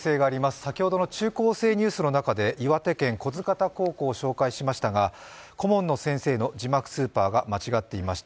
先ほどの「中高生ニュース」の中で岩手県立不来方高校を紹介しましたが、顧問の先生の字幕スーパーが間違っていました。